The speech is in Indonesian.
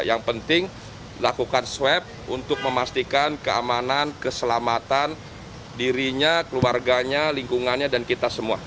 yang penting lakukan swab untuk memastikan keamanan keselamatan dirinya keluarganya lingkungannya dan kita semua